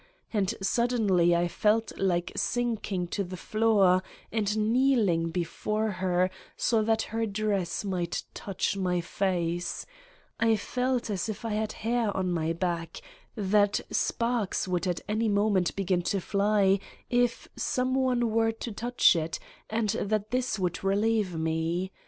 And suddenly I felt like sinking to the floor, and kneeling before her so that her dress might touch my face : I felt as if I had hair on my back, that sparks would at any moment begin to fly if some one were to touch it and that this would relieve me.